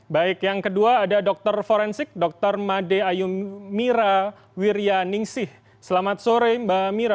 baik yang kedua ada dokter forensik dokter made ayumira wirjaningsih selamat sore mbak mira